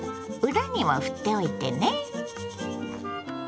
裏にもふっておいてね。